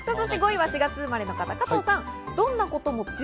５位は４月生まれの方、加藤さん。